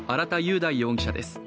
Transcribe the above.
大容疑者です。